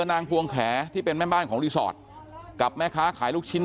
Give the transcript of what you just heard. นางพวงแขที่เป็นแม่บ้านของรีสอร์ทกับแม่ค้าขายลูกชิ้น